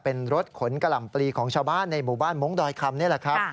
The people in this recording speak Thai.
เป็นรถขนกะหล่ำปลีของชาวบ้านในหมู่บ้านมงคดอยคำนี่แหละครับ